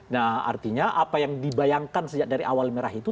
nah artinya apa yang dibayangkan sejak dari awal merah itu